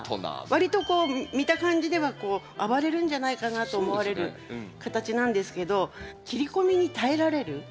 わりとこう見た感じでは暴れるんじゃないかなと思われる形なんですけど切り込みに耐えられる。